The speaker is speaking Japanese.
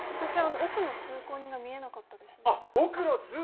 奥の通行人が見えなかった。